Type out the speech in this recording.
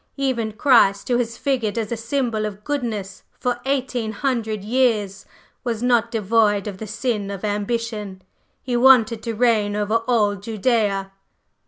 Even Christ, who has figured as a symbol of goodness for eighteen hundred years, was not devoid of the sin of ambition: He wanted to reign over all Judæa."